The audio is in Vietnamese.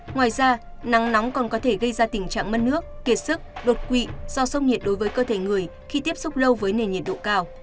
ngoài ra nắng nóng còn có thể gây ra tình trạng mất nước kiệt sức đột quỵ do sốc nhiệt đối với cơ thể người khi tiếp xúc lâu với nền nhiệt độ cao